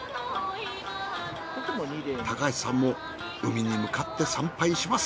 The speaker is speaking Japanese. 高橋さんも海に向かって参拝します。